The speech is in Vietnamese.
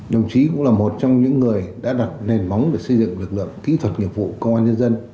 đồng chí cũng là một trong những người đã đặt nền móng để xây dựng lực lượng kỹ thuật nghiệp vụ công an nhân dân